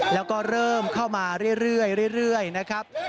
แล้วก็เริ่มเข้ามาเรื่อยนะครับ